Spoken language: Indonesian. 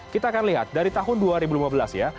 kita akan lihat dari tahun dua ribu lima belas ya